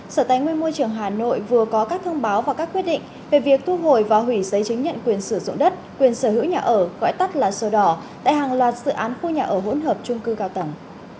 sở tài nguyên môi trường hà nội vừa có các thông báo và các quyết định về việc thu hồi và hủy giấy chứng nhận quyền sử dụng đất quyền sở hữu nhà ở gọi tắt là sổ đỏ tại hàng loạt dự án khu nhà ở hỗn hợp trung cư cao tầng